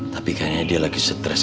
tapi kayaknya dia lagi stres